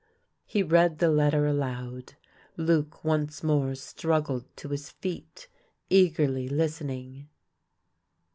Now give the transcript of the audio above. He read the letter aloud. Luc once more struggled to his feet, eagerly listening.